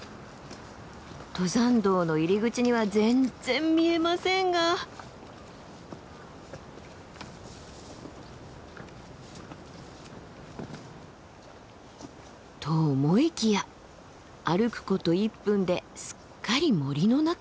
登山道の入り口には全然見えませんが。と思いきや歩くこと１分ですっかり森の中。